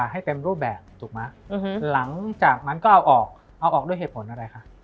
ให้เต็มรูปแบบถูกไหมหลังจากนั้นก็เอาออกเอาออกด้วยเหตุผลอะไรคะ